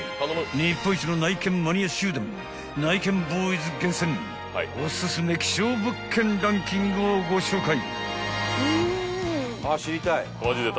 日本一の内見マニア集団ないけんぼーいず厳選おすすめ希少物件ランキングをご紹介］